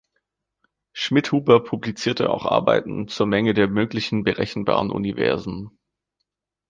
Schmidhuber publizierte auch Arbeiten zur Menge der möglichen berechenbaren Universen.